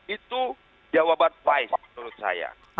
itu jawaban baik menurut saya